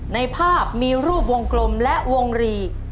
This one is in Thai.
ในภาพมีรูปวงกลมและวงรี